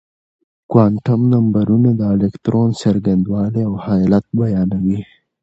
کوانتم نمبرونه د الکترون څرنګوالی او حالت بيانوي.